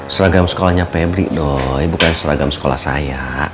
seragam sekolahnya pebri doi bukan seragam sekolah saya